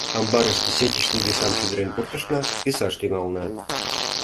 Амбарыш десятичный висам шӱдырен пуртышна, висаш тӱҥална.